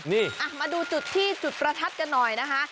นี่มาดูจุดที่จุดประทัดกันหน่อยนะคะ